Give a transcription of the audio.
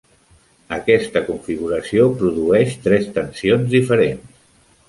Aquesta configuració produeix tres tensions diferents.